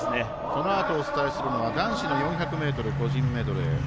このあとお伝えするのは男子４００ｍ個人メドレー。